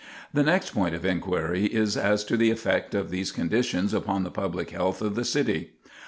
The next point of inquiry is as to the effect of these conditions upon the public health of the city.